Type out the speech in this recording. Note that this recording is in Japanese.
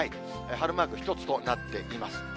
晴れマーク１つとなっています。